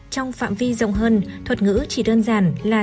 trong phạm vi rộng hơn thuật ngữ chỉ đơn giản là